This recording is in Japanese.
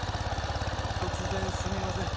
突然すみません。